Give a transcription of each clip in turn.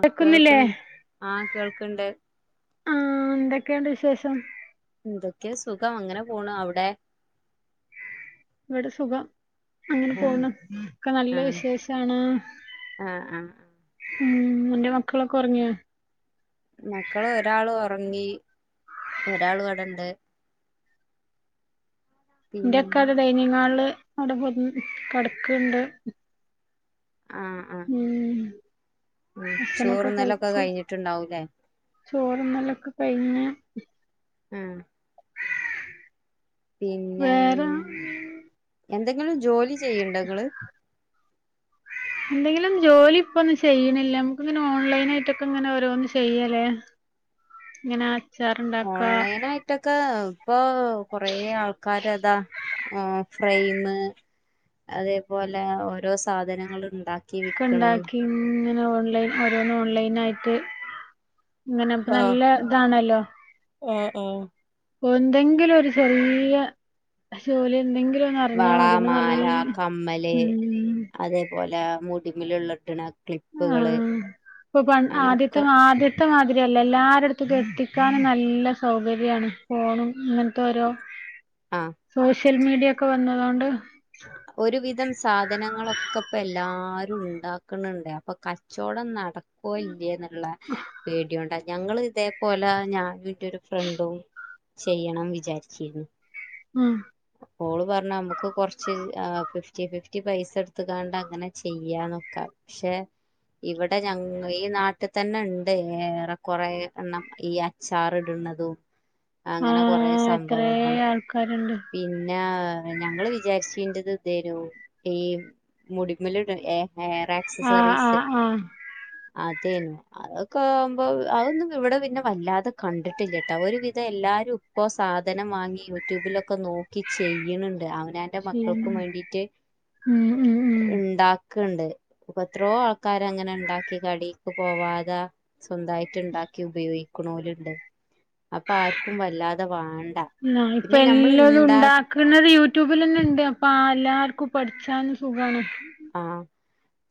കേൾക്കുന്നില്ലേ കേൾക്കണി ആഹ് കേൾക്കണ്ട് ആഹ് എന്തൊക്കെണ്ട് വിശേഷം? എന്തൊക്കെ സുഖം അങ്ങനെ പോണ്. അവിടെ? ഇവിടെ സുഖം അങ്ങനെ ആഹ് പോണം ഒക്കെ നല്ല ആഹ് വിശേഷാണ് ആഹ് ആഹ് ഉം കുഞ്ഞു മക്കളൊക്കെ ഉറങ്ങിയൊ മക്കൾ ഒരാള് ഉറങ്ങി ഒരാള് ഇവിടണ്ട് [inaudible] ഇന്റെയൊക്കെ അവിടെ ഡൈനിങ് ഹാള് അവിടെ കിടക്ണ്ട് ആഹ് ഉം മം ചോറ് ഭക്ഷണൊക്കെ തിന്നൽ ഒക്കെ കഴിഞ്ഞിട്ട്ണ്ടാവൂലേ ചോറുതിന്നലൊക്കെ കഴിഞ്ഞു ഉം പിന്നെ വേറെ എന്തെങ്കിലും ജോലി ചെയ്ണ്ടോ ഇങ്ങള് എന്തെങ്കിലും ജോലി ഇപ്പൊന്നും ചെയ്യണില്ല. നമുക്ക് ഇങ്ങനെ ഓൺലൈൻ ആയിട്ട്ഒക്കെ ഇങ്ങനെ ഓരോന്ന് ചെയ്യല്ലേ ഇങ്ങനെ അച്ചാർ ഉണ്ടാക്ക ഓൺലൈൻ ആയി ട്ടൊക്കെ ഇപ്പൊ കൊറേ ആൾക്കാര് അതാ ഫ്രെയിമ് അതേപോലെ ഓരോ സാധനങ്ങളും ഉണ്ടാക്കി ക്കെ ഉണ്ടാക്കി ഇങ്ങനെ ഓൺലൈൻ ഓരോന്ന് ഓൺലൈൻ ആയിട്ട് ഇങ്ങനെ അപ്പൊ ആഹ് നല്ല ഇതാണല്ലോ ആഹ് ആഹ് എന്തെങ്കിലും ഒരു ചെറിയ ജോലി എന്തെങ്കിലും അറിഞ്ഞാ വള മതി പിന്നെ മാല നല്ല പോലെ മുടിമലിട്ട്ണ് ആഹ് ഇപ്പൊ പറഞ്ഞ ആദ്യത്തെ അങ്ങനൊക്കെ മാത്രം ത്തെ മാതിരിയല്ല എല്ലാരുടുത്തും എത്തിക്കാൻ നല്ല സൗകര്യമാണ്. ഫോണും ഇങ്ങനത്തെ ഓരോ ആഹ് സോഷ്യൽ മീഡിയ ഒക്കെ വന്നതൊണ്ട് ഒരുവിധം സാധനങ്ങളൊക്കെ ഇപ്പോ എല്ലാരും ഉണ്ടാക്ക ക്ക്ണുണ്ട് അപ്പൊ കച്ചവടം നടക്കുവോ ഇല്ലേ എന്നുള്ള പേടിയൊണ്ട് ഞങ്ങള് ഇതേപോലെ ഞാനും ഇന്റെ ഒരു ഫ്രണ്ടും ചെയ്യണം വിചാരിച്ചിരുന്നു മം ഓള് പറഞ്ഞു നമുക്ക് കുറച്ച് ഫിഫ്റ്റി ഫിഫ്റ്റി പൈസ എടുത്ത്ക്കാണ്ട് അങ്ങനെ ചെയ്യാന്നോക്കെ ക്ഷെ ഇവിടെ ഞങ്ങ ഈ നാട്ടിൽ തന്നെ ഉണ്ട് ഏറെ കൊറെ എഹ് ഈ അച്ചാർ ഇടുന്നതും അങ്ങനെ കൊറെ സംഭവങ്ങള് കരണ്ട് പിന്നെ ഞങ്ങള് വിചാരിച്ചീണ്ടത് ഇതെരു ഈ? മുടിമേല് ഇടു ഏഹ് ഹെയർ ആഹ് ആക്സസറീസ് ആഹ് ആഹ് അതേന്നെ അതൊക്കെ ആകുമ്പോ അതൊന്നും ഇവിടെ പിന്നെ വല്ലാതെ കണ്ടിട്ടില്ലാട്ടോ ഒരു വിധം എല്ലാരും ഇപ്പോ സാധനം വാങ്ങി യൂട്യൂബിലൊക്കെ നോക്കി ചെയ്യണണ്ട് അവനാ ന്റെ ചെയ്യണം മക്കൾക്കും വേണ്ടിട്ട് ഉം ഉം ഉം ഉണ്ടാ ഒക്കെണ്ട് ഇപ്പൊ എത്രയോ ആൾക്കാര് അങ്ങനെ ഉണ്ടാക്കി കടി ഒക്കെ പോവാതെ സ്വന്തമായിട്ട് ഉണ്ടാക്കി ഉപയോഗിക്കണോലുണ്ട് അപ്പൊ ആർക്കും വല്ലാതെ വേണ്ട ഇ ഇപ്പൊ എല്ലോതും ഉണ്ടാ ക്കണത് യൂട്യൂബിൽ അന്നെ ഉണ്ട് അപ്പൊ എല്ലാർക്കും പഠിച്ചാനും സുഖമാണ് ആഹ്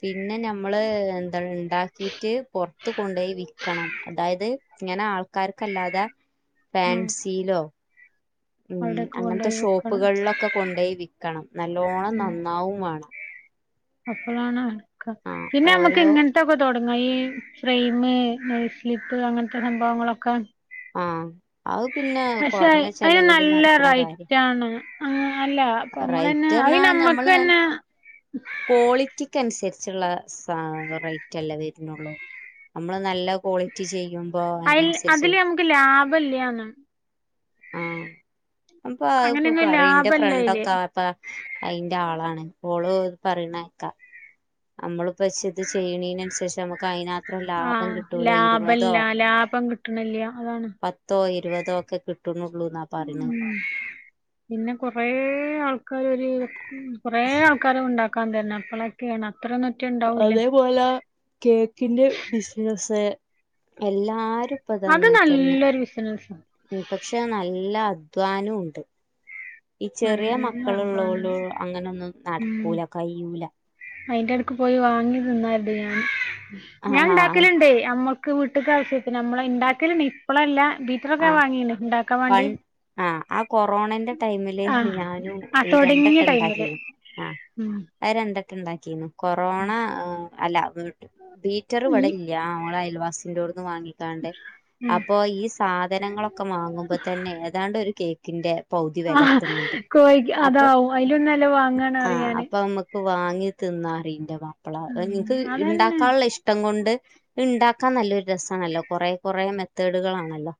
പിന്നെ നമ്മള് എന്താ ഉണ്ടാക്കിട്ട് പുറത്ത് കൊണ്ടപോയി വിക്കണം അതായത് ഇങ്ങനെ ആൾക്കാർക്കല്ലാതെ ആഹ് ഫാൻസിയിലോ ഉം അവിടൊക്കെ അങ്ങനത്തെ കൊണ്ടോയി വെക്കണം ഷോപ്പുകളിലൊക്കെ കൊണ്ടോയി വിൽക്കണം നല്ലോണം ഉം നന്നാവും വേണം അപ്പളാണ് ക്ക ആഹ് പിന്നെ നമുക്ക് ഓരോ ഇങ്ങന ഇട്ടൊക്കെ തൊടങ്ങാ ഈ ഫ്രെയിംമ് നെയിം സ്ലിപ്പ് അങ്ങനത്തെ സംഭവങ്ങളൊക്കെ ആഹ് അത് പിന്നെ പക്ഷെ കുറഞ്ഞ അതിന് ചെലവില് നല്ല നടക്കണ കാര്യം റൈറ്റ് ആണ് അല്ല അപ്പൊ നമ്മളന്നെ അത് റൈറ്റ്റിഞ്ഞാ നമ്മക്ക് ഞമ്മള് തന്നെ കോളി റ്റിക്ക് അനുസരിച്ചുള്ള സ റേറ്റ് അല്ലേ വരുന്നുള്ളൂ നമ്മള് നല്ല ക്വാളിറ്റി ചെയ്യുമ്പോ അതിനനുസരിച്ച് ലാഭം ഇല്ലയാന്ന് ആഹ് അപ്പൊ അത് ഇപ്പൊ അങ്ങനെയൊന്നും പറയും ഇന്റെ ലാഭല്ല അയില് ഫ്രണ്ടൊക്കെ അപ്പൊ അയിന്റെ ആളാണ്, ഓള് പറേണേക്കാം നമ്മളിപ്പച്ച് ഇത് ചെയ്യ്ണീനനുസരിച്ച് നമ്മുക്ക് അയിനാ ആഹ്, ലാഭം ഇല്ല ലാഭം കിട്ടണില്യാ അതാണ്. പത്തോ, ഇരുപതോ ഒക്കെ കിട്ടുന്നുള്ളൂന്നാ പ ഉം, പിന്നെ കൊറേ ആൾക്കാര് ഒര് കൊറെ ആൾ ക്കരം ഉണ്ടാക്കാ തന്നെ, എപ്പോളൊക്കെയാണ്, അത്ര നെറ്റ് ഉണ്ടാവൂല. അത്പോലെ കേക്കിന്റെ ബിസിനസ്സ്, എല്ലാരും ഇപ്പ ഇത് അത് അങ്ങനെ തന്നെ നല്ലൊരു ബിസിനസ്സാ പക്ഷെ, നല്ല അധ്വാനവും ഉണ്ട്. ഈ ചെറിയ നല്ല മക്കള് ഉള്ളോളു അധ്വാനാണ് അങ്ങനൊന്നും ഉം നടക്കൂല, കഴിയൂല. അയിന്റെ എടക്ക് പോയി വാങ്ങി തിന്നാരുണ്ട് ഞാൻ, ഞാൻ ആഹ് ഉണ്ടാക്കലുണ്ടേ. അമ്മ ക്ക് വീട്ട്ക് ആവശ്യത്തിന്, നമ്മള് ഉണ്ടാക്കലണ്ട് ഇപ്പളല്ല, വീട്ടിലൊക്കെ ആഹ് വാങ്ങീണ് ഉണ്ടാക്കാൻ പൺ വാണ്ടി. ആഹ് ആ കൊറേണേന്റെ.. ടൈമില് ആഹ് ഞാനും ആ ഒരു തൊടങ്ങിയ രണ്ടെട്ടം ടൈമില് ഉണ്ടാക്കിക്ണ്. ആഹ് ഉം അത് രണ്ടെട്ടം ഉണ്ടാക്കികണ്. കൊറോണ... അല്ല, ബീറ്ററ് ഈ ഇവടെയില്യാ ഓളെ അയൽവാസിന്റോട്ന്ന് വാങ്ങി. താണ്ട്, ഉം അപ്പൊ ഈ സാധനങ്ങളൊക്കെ വാങ്ങുമ്പോ തന്നെ ഏതാണ്ട് ഒരു കേക്കിന്റെ. പൗതി വെല ആഹ് എത്ത്ണണ്ട് കോയ്ക്ക് അപ്പൊ അതാവും, അയിലൊന്നുല്ല വാങ്ങാന് അറിയാന്. ഇപ്പൊ വാങ്ങി തിന്നാ അറിയില്ല അപ്പളാ അ ഉം നിക്ക് അതന്നെ ഇണ്ടാക്കാനുള്ള ഇഷ് ട്ടം കൊണ്ട്, ഇത് ഉണ്ടാക്കാൻ നല്ലൊരു രസാണല്ലോ, കുറേ കുറേ മെത്തേഡുകളാണല്ലോ.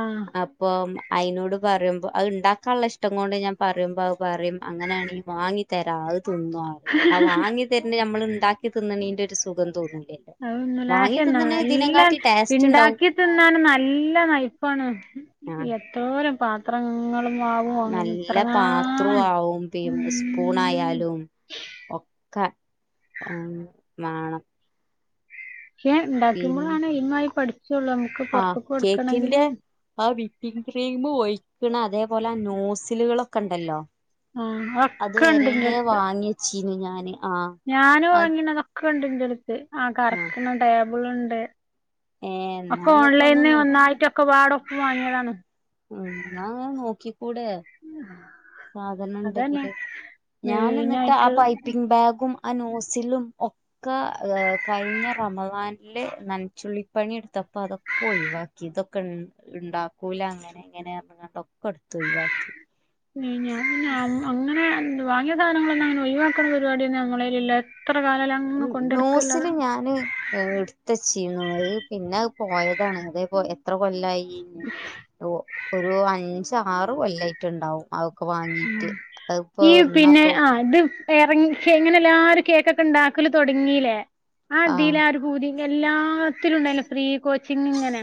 ആഹ് അപ്പൊ അതിനോട് പറയുമ്പോ, അത് ഉണ്ടാക്കാനുള്ള ഇഷ്ടം കൊണ്ട് ഞാൻ പറയുമ്പോ അത് പറയും, അങ്ങനെയാണെങ്കി വാങ്ങി വാങ്ങി തരാ അത് തിന്നോ പറയും. ആ വാങ്ങി തര്ണത് നമ്മൾ ഉണ്ടാക്കി തിന്നണീന്റെ ഒരു സുഖം തോന്നൂലേ. അത് [unintelligible] നല്ലം ടേസ്റ്റ് ഇണ്ടാവും ഉണ്ടാക്കി തിന്നാനും നല്ല നയിപ്പാണ്, ആഹ് എത്രോരം പാത്രങ്ങളും മാവും അങ്ങനെ നല്ല പാത്രവും എത്രങ്ങാനും ആവും, പിൻസ്പൂൺ ഉം ആയാലും ഒക്കെ ആഹ് വേണം. പക്ഷെ പിന്നെ ഉണ്ടാക്കുമ്പോളാണ് എയിം ആയിട്ട് പഠികൊള്ളൂ, നമുക്ക് ആഹ് പുറത്ത്ക്ക് കേക്കിന്റെ കൊടുക്കണെങ്കിലും. ആ വിപ്പിംഗ് ക്രീമ് ഒഴിക്ക്ണ അതേപോലെ ആ നോസിലുകളൊക്കെ ഉണ്ടല്ലോ? ആഹ് അത് അതൊക്കെ ഉണ്ട് വരേ വാങ്ങി വെച്ചീനു ഞാന് ആഹ് ഞാനു അത് വാങ്ങീനിയത്, അതൊക്കെ ഉണ്ട് ഇന്റെടുത്ത്, ആ ആഹ് കറക്ക്ണ ടേബിള് ഉണ്ട്. ഏ എന്നാ ഒക്കെ ഇങ്ങക്ക് ഒന്ന് ഓൺലൈന് നോക്കി ഒന്നായിട്ടൊക്കെപാടെ ഒപ്പം വാങ്ങിയതാണ്. ആഹ്, ഇന്നാ അങ്ങനെ നോക്കിക്കൂടെ? സാധനം അതന്നെ ഉണ്ടെങ്കില്, ഞാന് ഇന്നട്ട് ആ മെയിനായിട്ട് പൈപ്പിംഗ് ബാഗും ആ നോസിലും, ഒക്കെ ഒക്കെ കഴിഞ്ഞ റമസാനില് നനച്ചുള്ളിപ്പണി എടുത്തപ്പോ അതൊക്കെ ഒഴിവാ ക്കി ഇതൊക്കെ ഉ ഉണ്ടാക്കൂല അങ്ങനെ ഇങ്ങനെ പറഞ്ഞിക്കാണ്ട് ഒക്കെ ഇടുത്തു ഒഴിവാക്കി. ഞാൻ പിന്നെ അങ്ങനെ വാങ്ങിയ സാധനങ്ങളൊന്നും അങ്ങനെ ഒഴിവാക്ക ഒഴിവാക്ക്ണ പരിപാടി ഒന്നുംഞങ്ങളിലില്ല. എത്ര കാല നോസില് ഞാന് ഇട്ത്ത് വെച്ചീർന്നു, അത് പിന്നെ അത് പോയതാണ്. അത് എത്ര കൊല്ലായി? ഉം, ഒ ഒരു അഞ്ചു ആറ് കൊല്ലായിട്ട്ണ്ടാവും. ഉം, ഈ പിന്നെ ആ ഇത് എറങ്ങി കെ ഇങ്ങനെ എല്ലാരും കേക്കൊക്കെ ഉണ്ടാക്കല് തുങ്ങീലെ, ആ ആഹ് ഇതീല് ആരു പൂതി, എല്ലാത്തിലും ഉണ്ടായില്ല ഫ്രീ കോച്ചിങ് ഇങ്ങനെ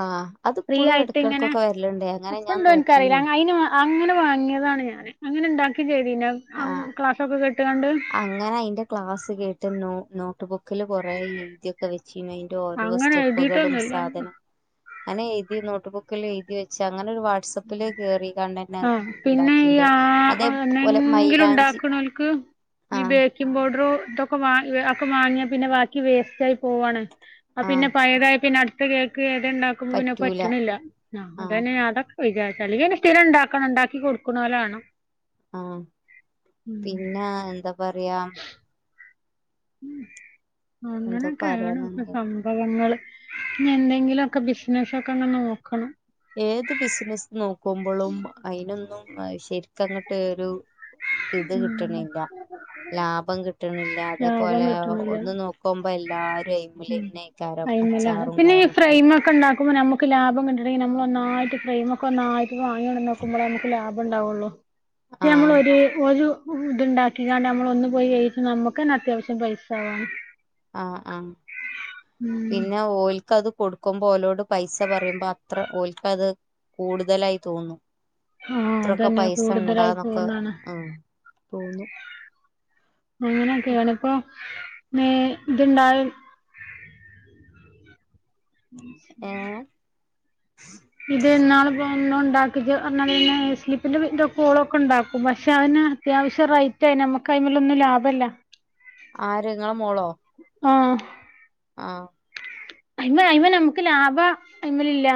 ആഹ് ഫ്രീ അതിപ്പോഴും ആയിട്ട് ഇങ്ങനെ, ഇടക്കിടക്കൊക്കെ വരലുണ്ട് അങ്ങനെ ഇപ്പോ ഞാൻ ഇണ്ടോന്ന് എനിക്കറീല. നോക്കീനു അയിന് അങ്ങനെ വാങ്ങിയതാണ് ഞാന്. അങ്ങനെ ഉണ്ടാക്കിം ചെയ്തീന് ക്ലാസ്സൊക്കെ കേട്ട്കാണ്ട്. ഇങ്ങനെ അതിന്റെ ക്ലാസ് കേട്ട് നോ നോട്ട് ബുക്കിൽ കുറേ എഴുതി ഒക്കെ വെച്ചീന്നു. ങ്ങട്ട് ഓരോ അങ്ങനെ സ്റ്റെപ്പുകളും, എഴുതിയിട്ടൊന്നുമില്ല സാധനം അങ്ങനെ എഴുതി നോട്ട്ബുക്കില് എഴുതി വെച്ച് അങ്ങനെ ഒരു വാട്സപ്പില് കേറിക്കാണ്ടന്നെ ആഹ് പിന്നെ ഈ ഉണ്ടാക്കിന്റെ ആ അതേപോലെ എന്നെങ്കിലും മൈലാഞ്ചി ഉണ്ടാക്കണോർക്ക് ഈ ആഹ് ബേക്കിങ്‌ പൗഡറ് ഇതൊക്കെ വാങ്ങി ഒക്കവാങ്ങിയാ പിന്നെ ബാക്കി വേസ്റ്റായി പോവാണ് അ പിന്നെ ആഹ് പഴയതായ പിന്നെ അടുത്ത കേക്ക് ഏതെണ്ടാക്കുമ്പോ പിന്നെ പറ്റൂല പറ്റണില്ല ആ ആഹ് അതന്നെ ഞാ അതൊക്കെ വിചാരിച് അല്ലെങ്കിൽ പിന്നെ സ്ഥിരം ഉണ്ടാക്കണം ഉണ്ടാക്കി കൊടുക്കുണോലാവണം ആഹ് പിന്ന എന്ത പറയാ എന്തോ അങ്ങനക്കെ പറയാൻ ആണ്ഇപൊ സം നിന്നത് സംഭവങ്ങള് ഇഞ് എന്തെങ്കിലൊക്കെ ബിസിനസൊക്കെ അങ്ങ് നോക്കണം ഏത് ബിസിനസ് നോക്കുമ്പൊളും അയിനൊന്നും ശരിക്കങ്ങട്ട് ഒരു ഇത് ഉം കിട്ട്ണില്ല ലാഭം കിട്ട്ണില്ല ലാഭം അതേപോലെ കിട്ടണില്ല ഒന്ന്‌ നോക് ക്കുമ്പോ എല്ലാരും ഐമൽ ത്ന്നെക്കാരം അച്ചാറും കാര്യം ഫ്രെയിമോക്കെണ്ടാക്കുമ്പോ നമു ക്ക് ലാഭം കിട്ടണെങ്കി നമ്മളൊന്നായിട്ട് ഫ്രൈമക്കൊന്നായിട്ട് വാങ്ങികൊണ്ടന്നു നോക്കുമ്പള ന്മുക്ക് ലാഭണ്ടാവുള്ളു മ ആഹ് [unintelligible] ഇത് ഒരു ഇതുണ്ടാക്കിക്കാണ്ട് നമ്മളൊന്ന്‌ പോയി എഴുതി നമുക്കന്നെ അത്യാവശ്യം പൈസ ആവാണ് ആ ആഹ് ഉം പിന്നെ ഓൽക്കത് കൊടുക് ക്കുമ്പോ ഓലോട് പൈസ പറയുമ്പൊ അത്ര ഓൽക്കത് കൂടുതലായി തോന്നും ആഹ് ത്രക്കെ അതന്നെ പൈസ കൂടുതലായി ഉണ്ടാന്നൊക്കെ പോകുന്നാണ് ആഹ് മം തോന്നും അങ്ങനെക്കേയാണിപ്പം നേ ഇത്ണ്ടായും പിശുക്കാ ഏഹ് ഇതിന്നാള്പ്പം എണ്ണം ഉണ്ടാക്കിച്ച് പറഞ്ഞാപിന്നെ സ്ലിപ്പിന്റെ വിന്റെ കോളൊക്കെ ഉണ്ടാക്കും പക്ഷെ അതിന് അത്യാവശ്യം റൈ റ്റേ നമ്മക്കൈമേലൊന്നും ലാഭല്ല ആര് ങ്ങള മോളോ ആഹ് ആഹ് അയ്മ അയ്മ നമ്ക്ക് ലാഭ അയ്മലില്ല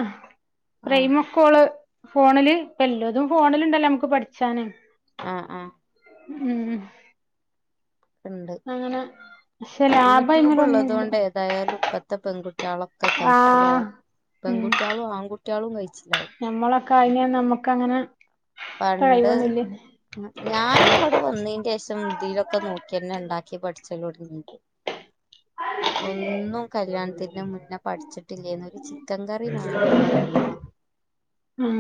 ആഹ് ഫ്രൈമക്കോള് ഫോണില് പ്പ എല്ലതും ഫോണിലു ണ്ടല്ലോമക്ക് പഠിച്ചാന് ആഹ് ആഹ് ഊം അങ്ങനെ പക്ഷെ ലാഭം അയ്മലൊന്നുല്ല യൂട്യൂബുള്ളതൊണ്ട് ഏതായാലും ഇപ്പത്തെ പെൺകുട്ടികളൊക്കെ കയി ആഹ് ച്ചലാവും ഉം പെൺകുട്ടികളും ആൺകുട്ടികളും കയിച്ചല്ലാവും ഞമ്മളൊക്കെ ആയിനെ നമ്മക്ക ങ്ങനെ പണ്ട് ഞാനുംവിടെ വന്നീന്റെഷം തിലൊക്കെ നോക്കി കിന്നണ്ടാക്കി പഠിച്ചലുടങ്ങിയത് ഒന്നും കല്യാണത്തിന്റെ മുന്നെ പഠിച്ചിട്ടില്ലേന്നൊര് ഒരു ചിക്കൻ കറി മാത്രം അറിയുന്ന്‌ ഉം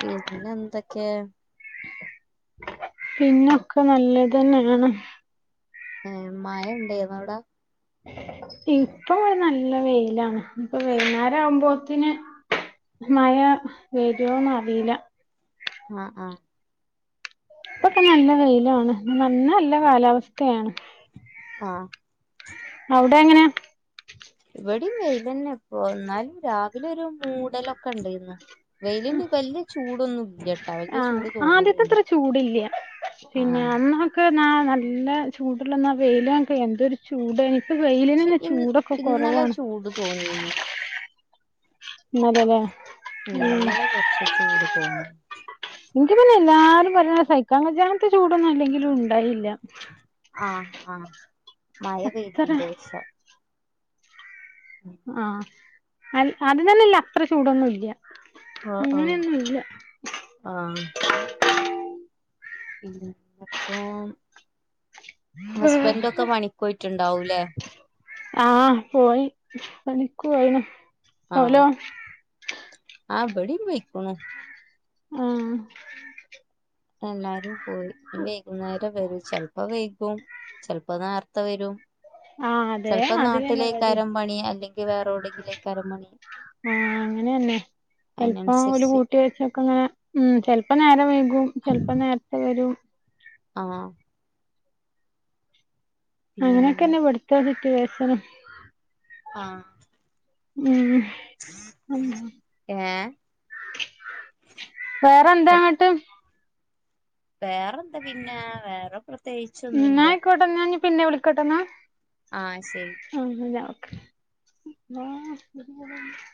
പിന്നെന്തക്കെ പിന്നൊക്കെ നല്ലതന്നെയാണ് എ മയണ്ടായിരുന്നവിടെ ഇപ്പൊ ഒരു നല്ല വെയിലാണ് ഇപ്പ വൈന്നേരാവുമ്പോത്തിന് മയ വെരുവോനറിയില്ല അഹ് അഹ് പ്പൊക്കെ നല്ല വെയിലാണ് ഇന്ന് നല്ല കാലാവസ്ഥയാണ് ആഹ് അവിടെങ്ങനെ ഇവിടേം വെയിലന്നെപ്പോ ന്നാലും രാവിലെ ഒരു മൂടലൊക്കെണ്ടായിന്നു വെയിലിന് വല്ല്യ ചൂടൊന്നും ഇല്ലട്ടാ വല്ല്യ ചൂട് തോന്ന്‌ തത്ര ചൂടില്ല പിന്നെ അന്നാക്ക് ന നല്ല ചൂടുള്ളെന്ന വെയിലാമ്പ എന്തരു ചൂടായ്ന്ന്‌ ഇപ്പ പക്ഷെ വെയിലിനന്നെ ഇ ചൂടൊക്കെ ഇന്നലെ കുറവാണ് ചൂട് തോന്നിന്ന് ഇന്നലെലേ ഉ ഉം ഇന്നല്ലെ കുറച്ച് ചൂട് തോന്നും എനിക്ക് പിന്നെ എല്ലാരും പറയ സഹിക്കാംനത്തെ ചൂടൊന്നും അല്ലെങ്കിലും ഉണ്ടായില്ല ആഹ്ആഹ് മഴ അത്ര പെയ്തിന്റെ ശേഷം ആഹ് അ അത് തന്ന ഇല്ല അത്ര ചൂടൊന്നും ഇല്ല അഹ് ആഹ് അങ്ങനെയൊന്നും ഇല്ല ആഹ് ഇല്ല അപ്പൊ ഹസ്ബൻഡൊക്കെ പണിക്കോയിട്ടുണ്ടാവൂലേ ആഹ് പോയി പണിക്ക് പോയിന ആഹ് ആബടി പോയ്ക്കണു ആഹ് എല്ലാരും പോയി വൈകുന്നേരം വരും ചിലപ്പോ വൈ കും, ചിലപ്പോൾ നേരത്തെ വരും. ആഹ് അതെ ചെലപ്പോ അതിലെന്നെ ഇവടിം നാട്ടിലേക്കാരം പണി അല്ലെങ്കിൽ വേറെ എവിടെങ്കിലേക്കാരം പണി. ആഹ്, അങ്ങനെ തന്നെ ചിലപ്പോൾ ഓല് അയിനനുസരിച്ച് കൂട്ടി വെച്ചക്ക അങ്ങനെ ഉം ചെലപ്പോൾ നേരം വൈകും ചെലപ്പോൾ നേരത്തെ വരും. ആഹ് പിന്നെ അങ്ങനെയൊക്കെന്നെ ഇവിട്ത്തെ സിറ്റ്വേഷനും ആഹ് ഉം, ഉം ഏഹ് വേറെന്താങ്ങട്ട്? വേറെന്താ പിന്നെ വേറെ പ്രത്യേകിച്ചൊന്നുല്ല. ഇപ്പൊ ഇന്നാ പിന്നെ വിളിക്കട്ടന്നാ. ആഹ്, ശരി. [unintelligible]